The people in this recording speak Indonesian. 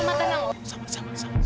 oma tenang oma